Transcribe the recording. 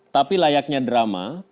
tapi layaknya drama